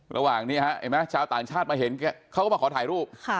ระหว่างนี้ฮะเห็นไหมชาวต่างชาติมาเห็นเขาก็มาขอถ่ายรูป